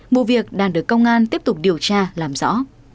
vụ việc đang được công an tiếp tục điều tra làm rõ